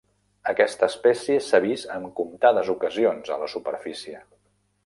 Aquesta espècie s'ha vist en comptades ocasions a la superfície.